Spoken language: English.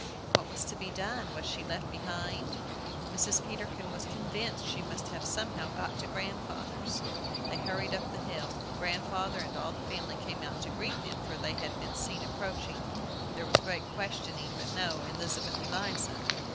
What was to be done? Was she left behind? Mrs. Peterkin was convinced she must have somehow got to grandfather's. They hurried up the hill. Grandfather and all the family came out to greet them, for they had been seen approaching. There was great questioning, but no Elizabeth Eliza!